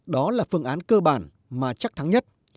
đó là phương án cơ bản mà chắc thắng nhất